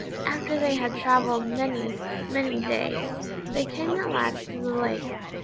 After they had travelled many, many days, they came at last to the lake.